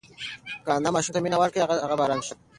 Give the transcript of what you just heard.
که انا ماشوم ته مینه ورکړي هغه به ارام شي.